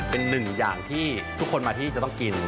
เป็นหนึ่งอย่างที่ทุกคนมาที่จะต้องกิน